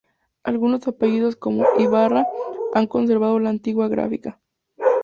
Algunos apellidos, como Ybarra, han conservado la antigua grafía.